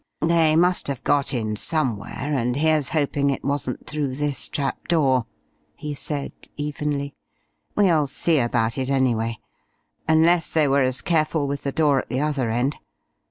"They must have got in somewhere, and here's hoping it wasn't through this trap door," he said evenly. "We'll see about it anyway. Unless they were as careful with the door at the other end.